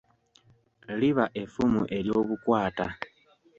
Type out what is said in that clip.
Liba effumu ery'obukwata.